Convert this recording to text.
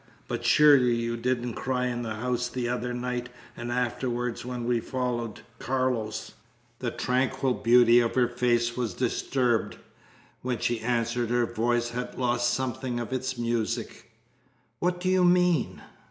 But surely you didn't cry in the house the other night and afterward when we followed Carlos!" The tranquil beauty of her face was disturbed. When she answered her voice had lost something of its music: "What do you mean?"